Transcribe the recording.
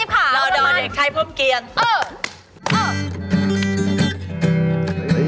มีคนเดียว